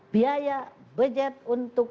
biaya budget untuk